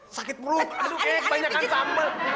sakit mulut aduh kebanyakan sampel